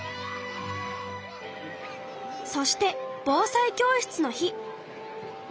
そして防災教室の日。